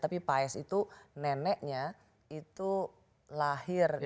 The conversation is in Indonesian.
tapi payes itu neneknya itu lahir di